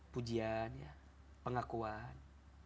pujian ya pengakuan